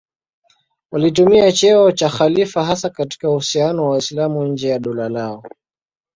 Walitumia cheo cha khalifa hasa katika uhusiano na Waislamu nje ya dola lao.